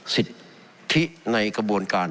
สิทธิในกระบวนการ